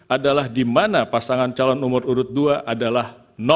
adalah di mana pasangan calon nomor urut dua adalah